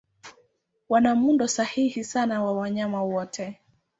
Wana muundo sahili sana wa wanyama wote.